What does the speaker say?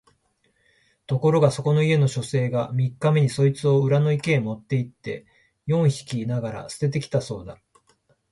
ところがそこの家の書生が三日目にそいつを裏の池へ持って行って四匹ながら棄てて来たそうだ